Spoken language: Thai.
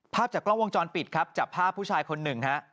ภาพจากกล้องวงจรปิดครับจับภาพผู้ชายคนหนึ่งฮะ